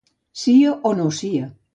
Sia o no sia.